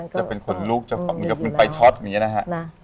จะเป็นขนลุกเกือบคุณไปช็อตอย่างนี้นะฮะ